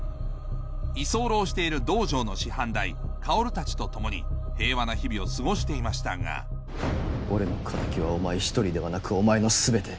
居候している道場の師範代薫たちと共に平和な日々を過ごしていましたが俺の敵はお前１人ではなくお前の全て。